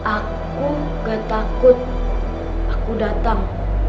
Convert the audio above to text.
aku gak takut aku datang